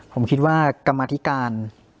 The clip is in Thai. ผมคิดว่ากรรมธิการ